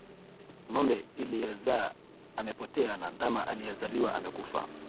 Ng'ombe aliyezaa amepotea na ndama aliyezaliwa amekufa.